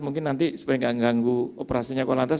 mungkin nanti supaya tidak mengganggu operasinya kuala lantas